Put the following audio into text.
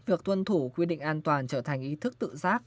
việc tuân thủ quy định an toàn trở thành ý thức tự giác